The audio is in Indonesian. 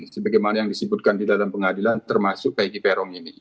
sebagai mana yang disebutkan di dalam pengadilan termasuk peggy perong ini